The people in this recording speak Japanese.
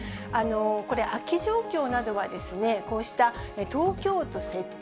これ、空き状況などは、こうした東京都設置